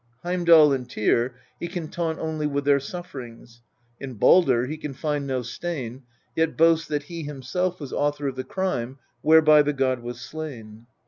Heimdal and Tyr he can taunt only with their sufferings; in Baldr he can find no stain, yet boasts that he himself was author of the crime whereby the god was slain.